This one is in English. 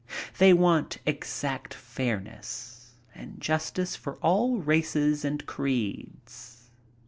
They want exact fairness and justice for all races and creeds."